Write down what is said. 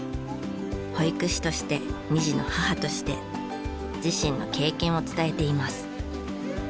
保育士として２児の母として自身の経験を伝えています。